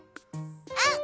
うん！